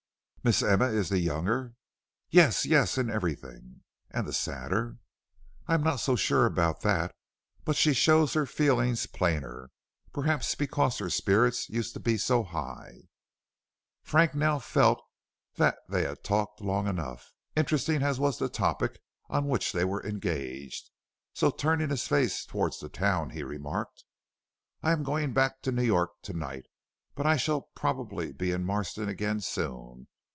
"Miss Emma is the younger?" "Yes, yes, in everything." "And the sadder!" "I am not so sure about that, but she shows her feelings plainer, perhaps because her spirits used to be so high." Frank now felt they had talked long enough, interesting as was the topic on which they were engaged. So turning his face towards the town, he remarked: "I am going back to New York to night, but I shall probably be in Marston again soon.